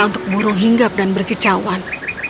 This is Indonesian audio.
untuk burung hinggap dan berkecauan